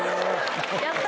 やった。